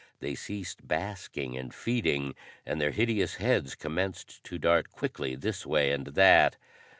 They ceased basking and feeding, and their hideous heads commenced to dart quickly this way and that.